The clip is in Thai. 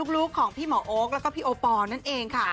ลูกของพี่หมอโอ๊คแล้วก็พี่โอปอลนั่นเองค่ะ